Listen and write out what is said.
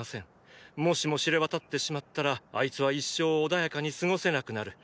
もしも知れわたってしまったらあいつは一生穏やかに過ごせなくなる。